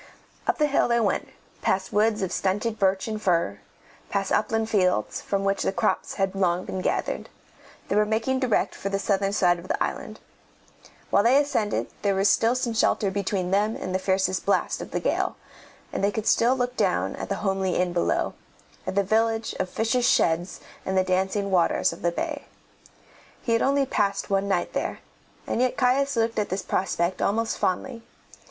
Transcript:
Up the hill they went, past woods of stunted birch and fir, past upland fields, from which the crops had long been gathered. They were making direct for the southern side of the island. While they ascended there was still some shelter between them and the fiercest blast of the gale, and they could still look down at the homely inn below, at the village of fishers' sheds and the dancing waters of the bay. He had only passed one night there, and yet Caius looked at this prospect almost fondly.